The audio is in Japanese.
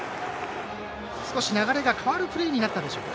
少し流れが変わるプレーになったでしょうか。